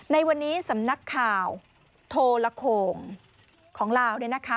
ในวันนี้สำนักข่าวโทรโข่งของลาวเนี่ยนะคะ